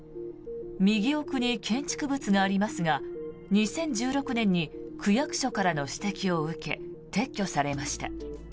右奥に建築物がありますが２０１６年に区役所からの指摘を受け撤去されました。